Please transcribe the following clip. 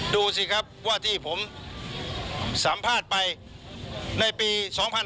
ดูสิครับว่าที่ผมสัมภาษณ์ไปในปี๒๕๕๙